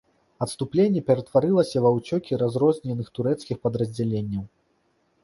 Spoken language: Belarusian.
Адступленне ператварылася ва ўцёкі разрозненых турэцкіх падраздзяленняў.